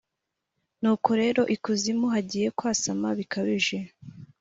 Nuko rero, ikuzimu hagiye kwasama bikabije,